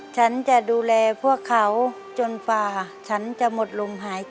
ฉันจะดูแลพวกเขาจนฝ่าฉันจะหมดลมหายใจ